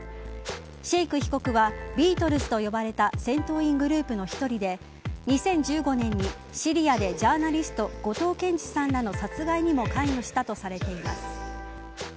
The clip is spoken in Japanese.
シェイク被告はビートルズと呼ばれた戦闘員グループの１人で２０１５年にシリアでジャーナリスト後藤健二さんらの殺害にも関与したとされています。